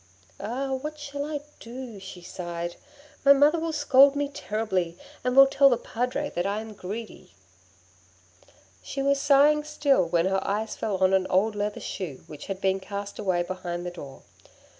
'Ah, what shall I do?' she sighed, 'My mother will scold me terribly, and will tell the Padre that I am greedy.' She was sighing still when her eyes fell on an old leather shoe which had been cast away behind the door.